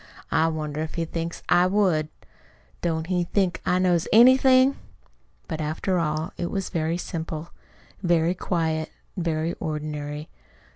I wonder if he thinks I would! Don't he think I knows anything?" But, after all, it was very simple, very quiet, very ordinary. Dr.